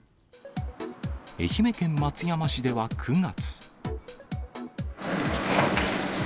愛媛県松山市では９月。